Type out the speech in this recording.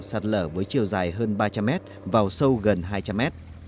sạt lở với chiều dài hơn ba trăm linh m vào sâu gần hai trăm linh m